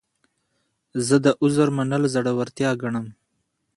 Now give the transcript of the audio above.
زه د عذر منل زړورتیا ګڼم.